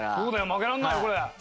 負けられないよこれ。